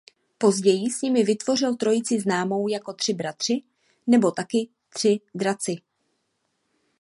Později s nimi vytvořil trojici známou jako „Tři bratři“ nebo taky „Tři draci“.